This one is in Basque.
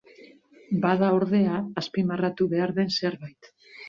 Bada, ordea, azpimarratu behar den zerbait.